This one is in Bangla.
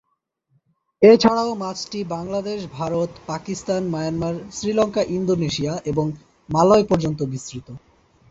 এছাড়াও মাছটি বাংলাদেশ, ভারত, পাকিস্তান, মায়ানমার, শ্রীলঙ্কা, ইন্দোনেশিয়া এবং মালয় পর্যন্ত বিস্তৃত।